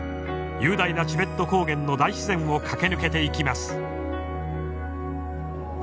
雄大なチベット高原の大自然を駆け抜けていきます。